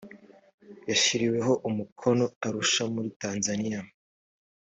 yashyiriweho umukono arusha muri tanzaniya